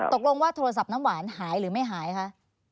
ตกลงว่าโทรศัพท์น้ำหวานหายหรือไม่หายคะ